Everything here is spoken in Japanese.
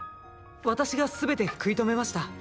私が全て食い止めました！